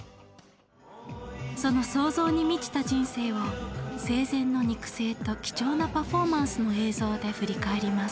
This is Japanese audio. その創造に満ちた人生を生前の肉声と貴重なパフォーマンスの映像で振り返ります。